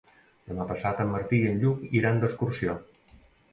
Demà passat en Martí i en Lluc iran d'excursió.